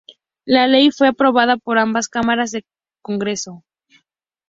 La ley fue aprobada por ambas cámaras del Congreso.